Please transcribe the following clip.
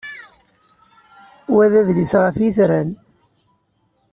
Wa d adlis ɣef yitran.